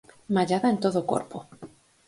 Mallada en todo o corpo.